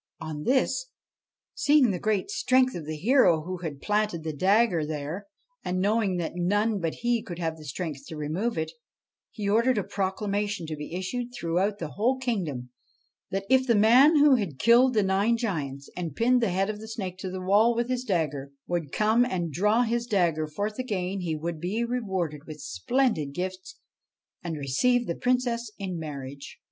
On this, seeing the great strength of the hero who had planted the dagger there, and knowing that none but he could have the strength to remove it, he ordered a proclamation to be issued throughout the whole kingdom : that, if the man who had killed the nine giants and pinned the head of the snake to the wall with his dagger, would come and draw his dagger forth again, he would be rewarded with splendid gifts and receive the Princess in marriage.